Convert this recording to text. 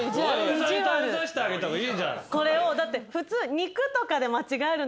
これをだって普通。